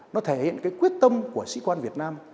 nó thể hiện cái quyết tâm của sĩ quan việt nam